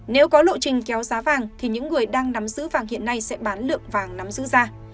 nếu có lộ trình kéo giá vàng thì những người đang nắm giữ vàng hiện nay sẽ bán lượng vàng nắm giữ ra